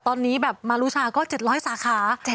ตอนนี้แบบมารุชาก็๗๐๐สาขา